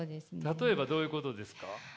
例えばどういうことですか？